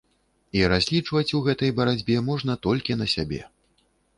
І разлічваць у гэтай барацьбе можна толькі на сябе.